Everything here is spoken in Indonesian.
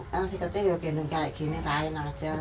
kalau kecil ya gendong kayak gini kain aja